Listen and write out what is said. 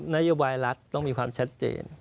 นโยบายรัฐต้องมีความชัดเจน